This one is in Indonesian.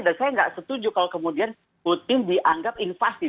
dan saya tidak setuju kalau kemudian putin dianggap invasi